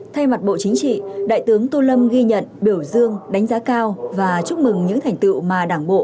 thay mặt bộ chính trị đại tướng tô lâm ghi nhận biểu dương đánh giá cao và chúc mừng những thành tựu mà đảng bộ